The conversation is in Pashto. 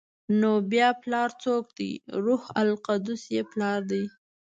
نو بیا پلار څوک دی؟ روح القدس یې پلار دی؟